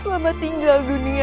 selamat tinggal dunia